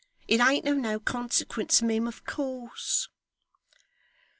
It ain't of no consequence, mim, of course.